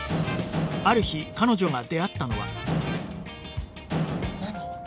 ある日彼女が出会ったのは何！？